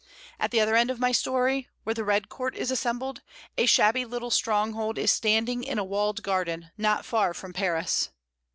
At the other end of my story, where the red court is assembled, a shabby little stronghold is standing in a walled garden, not far from Paris.